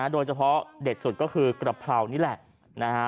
โดยเฉพาะเด็ดสุดก็คือกระเพรานี่แหละนะฮะ